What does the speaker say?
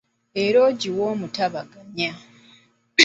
Era egiwe omutabaganya .